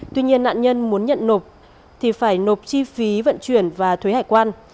tuy nhiên nạn nhân muốn nhận nộp thì phải nộp chi phí vận chuyển và thuế hải quan